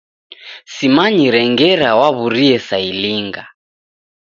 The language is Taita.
Simanyire ngera w'aw'urie saa ilinga.